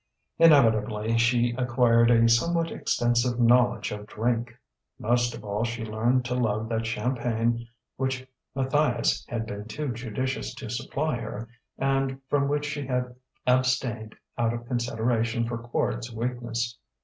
Inevitably she acquired a somewhat extensive knowledge of drink. Most of all she learned to love that champagne which Matthias had been too judicious to supply her and from which she had abstained out of consideration for Quard's weakness.